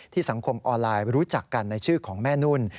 สังคมออนไลน์รู้จักกันในชื่อของแม่นุ่น